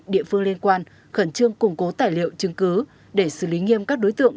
địa phương liên quan khẩn trương củng cố tài liệu chứng cứ để xử lý nghiêm các đối tượng